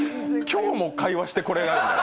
今日も会話してくれないんだ。